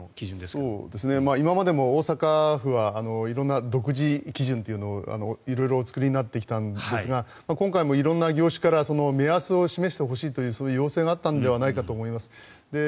今までも大阪府は色んな独自基準を、色々お作りになってきたんですが今回も色んな業種から目安を示してほしいというそういう要請があったのではないかと思います。